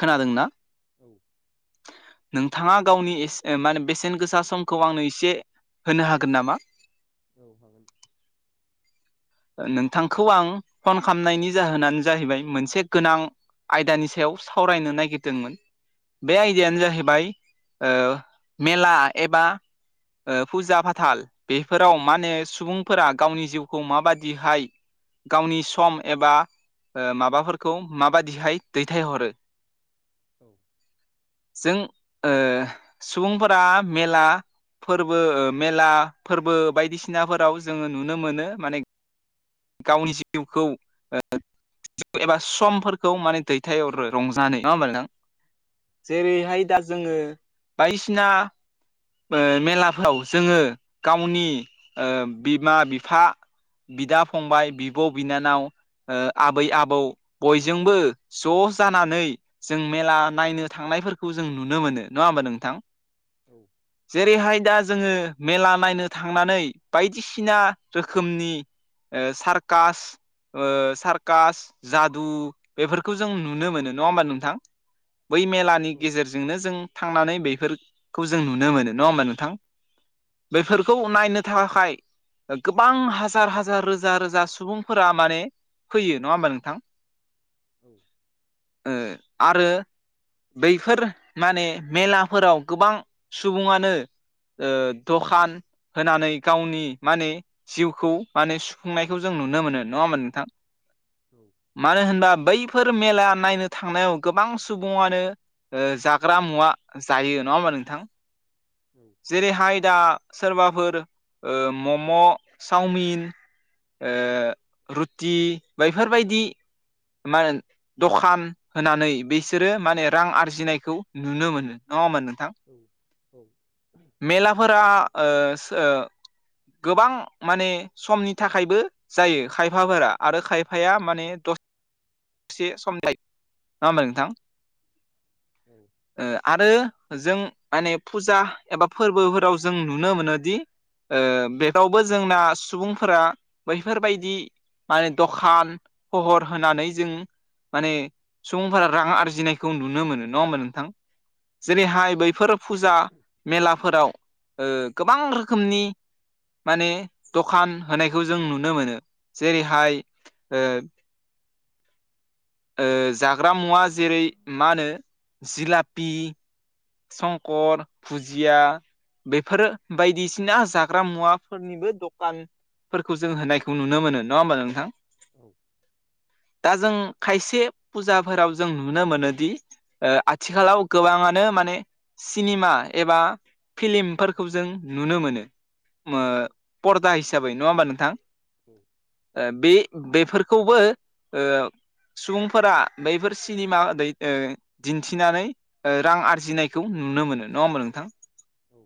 खोनादोंना। औ नोंथाङा गावनिसे बेसेन गोसा समखौ आंनो एसे होनो हागोन नामा। औ हागोन। नोंथांखौ फन खालामनायनि जाहोनानो मोनसे गोनां। आयदानि सायाव सावरायनो नागिरदोंमोन बे औ आयदायानो जाहैबाय। ओ मेला एबा। ओ फुजा फाथाल बेफोराव माने सुबुंफोरा गावनि जिउखौ माबादि। दिहाय गावनि सम एबा। ओ माबाफोरखौ माबादिहाय दैथायहरो। औ। जों ओ सुबुंफोरा मेला। फोरबो मेला फोरबो बायदिसिनाफोराव जोङो मोनो माने। गावनि जिउखौ ओ। एबा समफोरखौ माने दैथायहरो रंजानो नङा होमबा नोंथां। औ जेरैहाय दा औ जोङो बायदिसिना। ओ मेलाफ्राव जोङो गावनि ओ बिमा -बिफा। बिदा फंबाय बिब' बिनानाव। ओ आबै आबौ बयजोंबो ज' जानानै। जों मेला नायनो थांनायफोरखौ जों नुनो मोनो नङा होमबा नोंथां। औ जेरैहाय दा जोङो। मेला नायनो थांनानै बायदिसिना रोखोमनि ओ सारकास। ओ सारकास जादु बेफोरखौ जों नुनो मोनो नङा होमबा नोंथां। बै मेलानि गेजेरजोंनो जों थांनानै बेफोरखौ जों नुनो मोनो नंङा होमबा नोंथां? बेफोरखौ नायनो थाखाय गोबां हाजार हाजार रोजा रोजा रोजा सुबुंफोरा माने फैयो नंङा होमबा नोंथां? औ। ओ आरो बैफोर माने मेलाफोराव गोबां सुबुंङानो ओ दखान होनानै गावनि माने जिउखौ माने सुफुंनायखौ जों नुनो मोनो नंङा होमबा नोंथां। औ। मानो होनबा बैफोर मेला नायनो थांनायाव गोबां सुबुंङानो। ओ जाग्रा मुवा जायो नंङा होमबा नोंथां? औ। जेरैहाय दा सोरबाफोर ओ मम' चावमिन। ओ रुटि बैफोरबायदि मा होनो दखान होनानै बिसोरो माने रां आरजिनायखौ नुनो मोनो नंङा होमबा नोंथां। औ औ। मेलाफोरा ओ सो गोबां माने समनि थाखायबो जायो खायफाफोरा आरो खायफाया माने द एसे समनि नङा होमबा नोंथां। [unintelligible] औ। ओ आरो जों माने फुजा एबा फोरबोफोराव जों नुनो मोनोदि। ओ बेगावबो जोंना सुबुंफोरा बैफोरबायदि माने दखान फहर होनानै जों माने सुबुंफोरा रां आरजिनायखौ नुनो मोनो नंङा होमबा नोंथां जेरैहाय बैफोर। फुजा मेलाफोराव ओ गोबां रोखोमनि माने दखान होनायखौ जों नुनो मोनो जेरैहाय ओ ओ जाग्रा मुवा जेरै मा होनो जिलापि संकर, भुजिया बेफोरो बायदिसिना जाग्रा मुवाफोरनिबो द खानफोरखौ जों होनायखौ नुनो मोनो नंङा होमबा नोंथां? दा जों खायसे फुजाफोराव जों नुनो मोनोदि ओ आथिखालाव गोबांंङानो माने सिनेमा एबा फिलिमफोरखौ जों नुनो मोनो ओ पर्दा हिसाबै नंङा होमबा नोंथां? औ ओ बे बेफोरखौबो ओ सुबुंफोरा बैफोर सिनेमा दै ओ दिन्थिनानै ओ रां आरजिनायखौ नुनो मोनो नंङा होमबा नोंथां? औ औ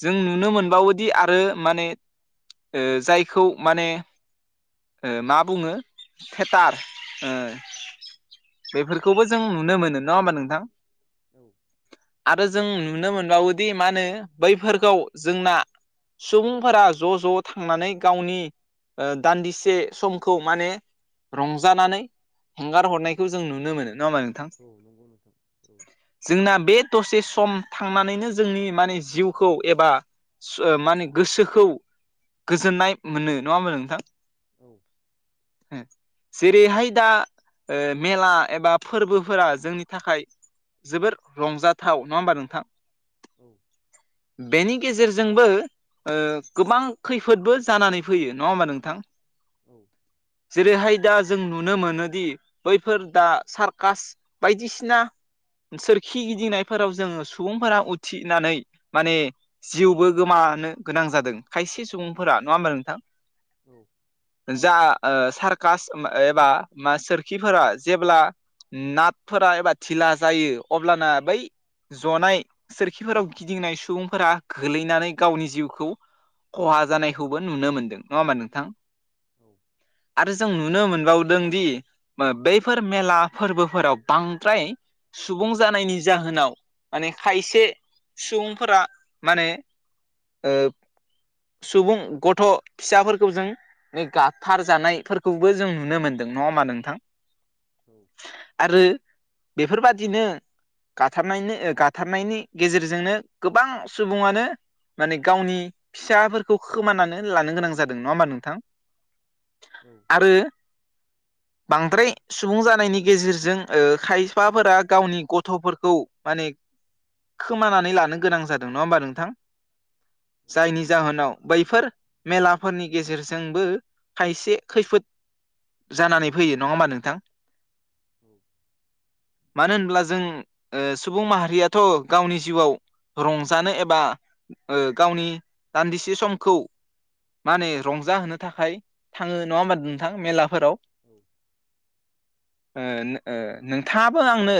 जों नुनो मोनबावोदि आरो माने ओ जायखौ माने ओ मा बुङो थेटार ओ बेफोरखौबो जों नुनो मोनो नंङा होमबा नोंथां? औ आरो जों नुनो मोनबावोदि मा होनो बैफोरखौ जोंना सुबुंफोरा ज' ज' थांनानै गावनि ओ दान्दिसे समखौ माने रंजानानै हेंगार हरनायखौ जों नुनो मोनो नङा होमा नों औ नंगौ नोंथां औ। जोंना बे दसे सम थांनानैनो जोंनि माने जिउखौ एबा [unintelligible] ओ माने गोसोखौ गोजोननाय मोनो नङा होनबा नोंथां? औ [unintelligible] जेरैहाय दा ओ मेला एबा फोरबोफोरा जोंनि थाखाय जोबोर रंजाथाव नङा होमबा नोंथां? औ बेनि गेजेरजोंबो ओ गोबां खैफोदबो जानानै फैयो नङा होमबा नोंथां? औ जेरैहाय दा जों नुनो मोनोदि बैफोर दा सारकास बायदिसिना सोरखि गिदिंनायफोराव जोङो सुबुंफोरा उथिनानै माने जिउबो गोमानो गोनां जादों खायसे सुबुंफोरा नङा होमबा नोंथां? औ जा ओ सारकास ओम एबा मा सोरखिफोरा जेब्ला नाथफोरा एबा धिला जायो अब्लाना बै ज'नाय सोरखिफोराव गिदिंनाय सुबुंफोरा गोलैनानै गावनि जिउखौ ख'हा जानायखौबो नुनो मोनदों नङा होमबा नोंथां? औ आरो जों नुनो मोनबावदों दि ओ बैफोर मेला फोरबोफोराव बांद्राय सुबुं जानायनि जाहोनाव माने खायसे सुबुंफोरा माने ओ सुबुं गथ' फिसाफोरखौ जों बे गाबथार जानायफोरखौबो जों नुनो मोनदों नङा होमा नोंथां? औ आरो बेफोरबादिनो गाथारनायनो ओ गाथारनायनि गेजेरजोंनो गोबां सुबुङानो माने गावनि फिसाफोरखौ खोमानानै लानो गोनां जादों नङा होमबा नोंथां? औ आरो बांद्राय सुबुं जानायनि गेजेरजों ओ खायफाफोरा गावनि गथ'फोरखौ माने खोमानानै लानो गोनां जादों नङा होमबा नोंथां? जायनि जाहोनाव बैफोर मेलाफोरनि गेजेरजोंबो खायसे खैफोद जानानै फैयो नङा होमबा नोंथां? औ मानो होनब्ला जों ओ सुबुं माहारियाथ' गावनि जिउआव रंजानो एबा ओ गावनि दान्दिसे समखौ मा होनो रंजाहोनो थाखाय होमबाद नोंथां मेलाफोराव। औ ओ नो ओ नोंथाङाबो आंनो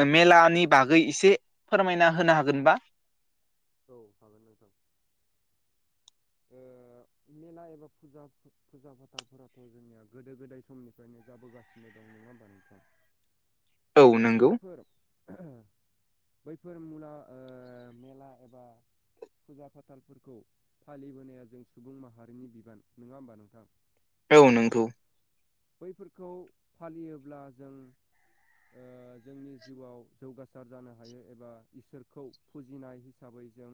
ओ मेलानि बागै एसे फोरमायना होनो हागोनबा? औ हागोन नोंथां। ओ मेला एबा फुजा फु-फुजा फाथालफोराथ' जोंनिया गोदो गोदाय समनिफ्रायनो जाबोगासिनो नो दं नङा होमबा नोंथां? औ ओ नंगौ बैफोर बैफोर मुना ओ मेला एबा फुजा फाथालफोरखौ फालिबोनाया जों सुबुं माहारिनि बिबान नङा होमबा नोंथां? औ नोंगौ बैफोरखौ फालियोब्ला जों ओ जोंनि जिउआव जौगासार जानो हायो एबा इसोरखौ फुजिनाय हिसाबै जों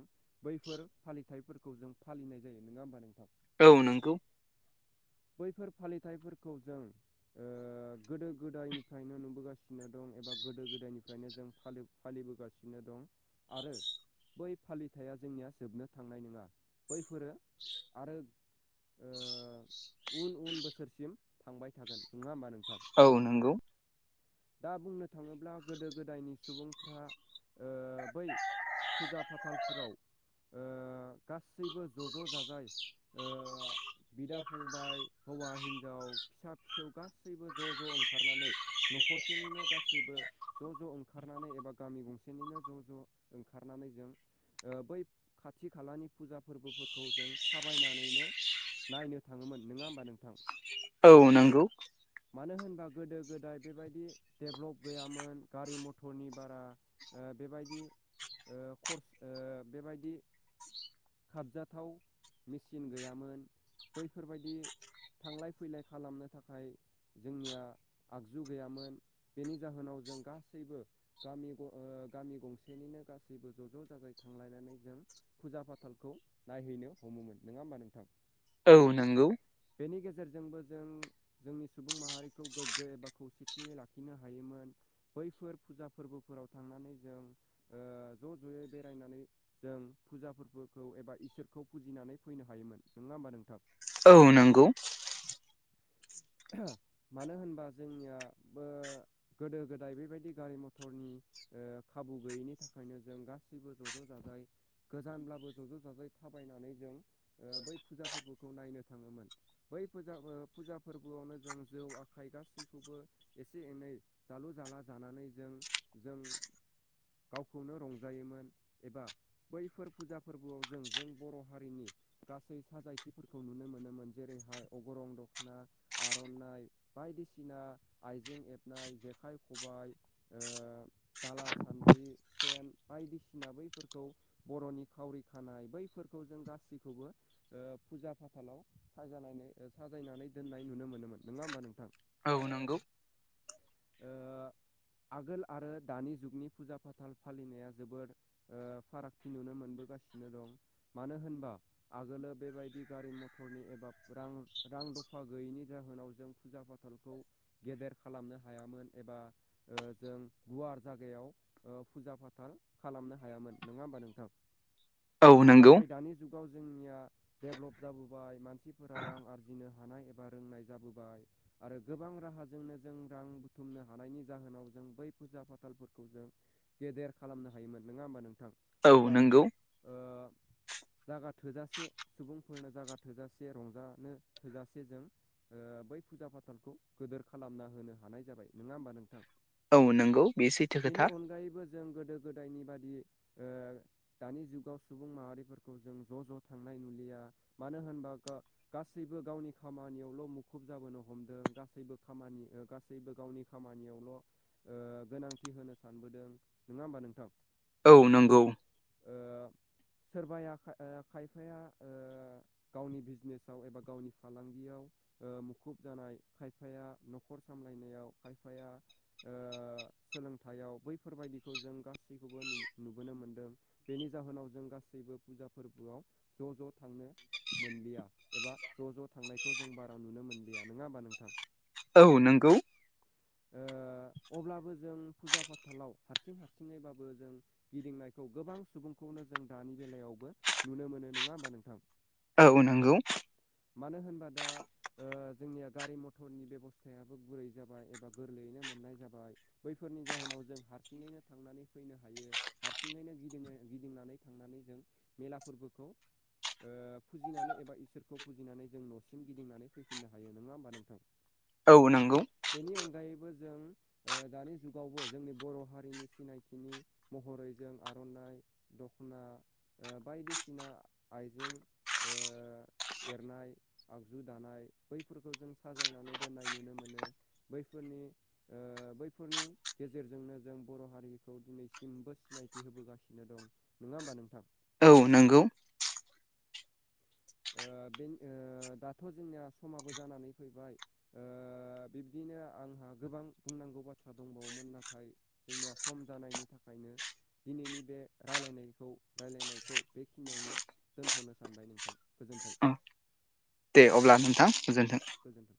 बैफोर फालिथायाइफोरखौ जों फालिनाय जायो नङा होमबा नोंथां? औ नोंगौ बैफोर फालिथायाइफोरखौ जों ओ गोदो गोदायनिफ्रायनो नुबोगासिनो सिनो दं एबा गोदो गोदायनिफ्रायनो जों फालि फालिबोगासिनो दं आरो बै फालिथाया जोंनिया जोबनो थांनाय नङा बैफोरो आरो ओ उन उन बोसोरसिम थांबाय थागोन नङा होमबा नोंथां? औ नंगौ दा बुंनो थाङोब्ला गोदो गोदायनि सुबुंफ्रा ओ बै फुजा फाथालफोराव ओ गासैबो ज' ज' जाजाय ओ बिदा फंबाय हौवा हिनजाव फिसा फिसौ गासैबो ज' ज' ओंखारनानै न'खर सेनिनो गासैबो ज' ज' ओंखारनानै एबा गामि गंसेनिनो ज' ज' ओंखारनानै जों ओ बै खाथि खालानि फुजा फोरबोफोरखौ जों थाबायनानैनो नायनो थाङोमोन नङा होमबा नोंथां? औ नंगौ मानो होनबा गोदो गोदाय बेबायदि डेभ्लप गैयामोन गारि मथरनि बारा ओ बेबायदि ओ कर्स ओ बेबायदि खाबजाथाव मेचिन गैयामोन बैफोरबायदि थांलाय फैलाय खालामनो थाखाय जोंनिया आगजु गैयामोन। बेनि जाहोनाव जों गासैबो गामि ग' ओ गामि गंसेनिनो गासैबो ज' ज' जाजाय थांलायनानै जों फुजा फाथालखौ नायहैनो हमोमोन नङा होमबा नोंथां? औ नंगौ बेनि गेजेरजोंबो जों जोंनि सुबुं माहारिखौ गोग्गो एबा खौसेथियै ला खिनो हायोमोन बैफोर फुजा फोरबोफोराव थांनानै जों ओ ज' जयै बेरायनानै जों फुजा फोरबोखौ एबा इसोरखौ बुजिनानै फैनो हायोमोन नङा होमबा नोंथां? औ नंगौ मानो होनबा जोंनिया बो गोदो गोदाय बेबायदि गारि मथरनि ओ खाबु गैयैनि थाखायनो जों गासैबो ज' ज' जाजाय गोजानब्लाबो ज'ज' जाजाय थाबायनानै जों बै फुजा फोरबोखौ नायनो थाङोमोन। बै फुजा फुजा फोरबोआवनो जों जौ आखाइ गासैखौबो एसे एनै जालु जाला जानानै जों जों गावखौनो रंजायोमोन एबा बैफोर फुजा फोरबोआव जों जों बर हारिनि गासै साजायथिफोरखौ नुनो मोनोमोन जेरैहाय अग्रं दख'ना आरनाइ बायदिसिना आइजें हेबनाय जेखाइ खबाय दाला सान्द्रि सेन बायदिसिना बैफोरखौ बर'नि खावरि खानाय बैफोरखौ जों गासिबखौबो फुजा फाथालाव साजालायनो ओ साजायनानै दोननाय नुनो मोनोमोन नङा होमबा नोंथां? औ नंगौ। आगोल आरो दानि जुगनि फुजा फाथाल फालिनाया जोबोर फारागथि नुनो मोनबोगासिनो दं मानो होनबा आगोलो बेबायदि गारि मटरनि एबा रां रां दफा गैयैनि जाहोनाव जों फुजा फाथ थालखौ गेदेर खालामनो हायामोन एबा जों गुवार जागायाव फुजा फाथाल खालामनो हायामोन नङा होमबा नोंथां? औ नंगौ औ नंगौ नाथाय दानि जुगाव जोंनिया डेभ्लप जाबोबाय मानसिफोरा रां आरजिनो हानाय एबा रोंनाय जाबोबाय आरो गोबां राहा जोंनो जों रां बुथुमनो हानायनि जाहोनाव जों बै फुजा फाथालफोरखौ जों गेदेर खालामनो हायोमोन नङा होमबा नोंथां औ एबा नंगौ ओ जागा थोजासे सुबुंफोरनो जागा थोजासे रंजानो थोजासे जों बै फुजा फाथालखौ गोदोर खालामना होनो हानाय जाबाय नङा होमबा नोंथां औ नंगौ बे सैथो बेनि खोथा अनगायैबो जों गोदो गोदायनि बादि दानि जुगाव सुबुं माहारिफोरखौ जों ज' ज' थांनाय नुलिया मानो होनबा गा गासैबो गावनि खामानियावल मुखुब जाबोनो हमदों गासैबो खामानि गासैबो गावनि खामानियावल गोनांथि होनो सानबोदों नङा होमबा नोंथां? औ नंगौ। सोरबाया खा ओ खायफाया गावनि बिजनेसाव एबा गावनि फालांगियाव मुखुब जानाय खाय फाया न'खर सामलायनायाव खायफाया सोलोंथायाइयाव बैफोरबायदिखौ जों गासैखौबो नुबोनो मोनदों। बेनि जाहोनाव जों गासैबो फुजा फोरबोआव ज' ज' थांनो मोनलिया एबा ज' ज' थांनायखौ जों बारा नुनो मोनलिया नोङा होमबा नोंथां? औ नोंगौ। अब्लाबो जों फुजा फाथालाव हारसिं हारसिङैबाबो जों गिदिंनायखौ गोबां सुबुंखौनो जों दानि बेलायावबो नुनो मोनो नोङा होमबा नोंथां? औ नंगौ। मानो होनबा दा जोंनिया गारि म टरनि बेब'स्थायाबो गुरै जाबाय एबा गोरलैयैनो मोननाय जाबाय। बैफोरनि जाहोनाव जों हारसिङैनो थांनानै फैनो हायो। हारसिङैनो गिदिङै गिदिंनानै थांनानै जों मेला फोरबोखौ ओ फुजिनानै एबा इसोरखौ फुजिनानै जों न'सिम गिदिंनानै फैफिननो हायो नोङा होमबा नोंथां? औ नोंगौ। बेनि अनगायैबो जों। दानि जुगावबो जोंनि बर' हारिनि सिनायथिनि महरैजों आर'नाइ। दख'ना ओ बायदिसिना आइजें। ओ एरनाय आगजु दानाय बैफोरखौ जों सा। जायनानै दोननाय नुनो मोनो बैफोरनि। बैफोरनि गेजेरजोंनो जों बर' हारिखौ दिनैसिमबो सिनायथि होबोगासिनो दं। नोङा होमबा नोंथां। औ नोंगौ। ओ बे ओ दाथ' जोंनिया समाबो जानानै फैबाय। ओ बिब्दिनो आंहा गोबां बुंनांगौ बाथ्रा दंबावोमोन नाथाय। जोंनिया सम जानायनि थाखायनो। दिनैनि बे रायलायनायखौ रायलायनायखौ बेखिनियावनो दोनथ'नो सानबाय नोंथां। गोजोन्थों। दे अब्ला नोंथां गोजोन्थों। गोजोन्थों।